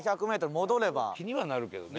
気にはなるけどね。